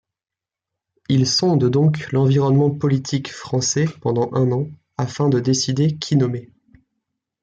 Il sonde donc l'environnement politique français pendant un an afin de décider qui nommer.